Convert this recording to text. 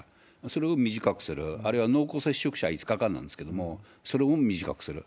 それを短くする、あるいは濃厚接触者は５日間なんですけれども、それを短くする。